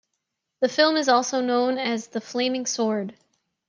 The film is also known as The Flaming Sword.